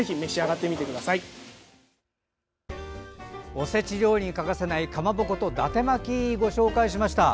おせち料理に欠かせないかまぼことだて巻きをご紹介しました。